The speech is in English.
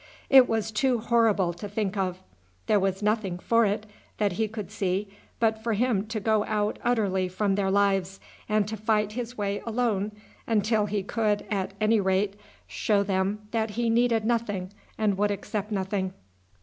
It was too horrible to think of. There was nothing for it that he could see but for him to go out utterly from their lives, and to fight his way alone until he could, at any rate, show them that he needed nothing and would accept nothing.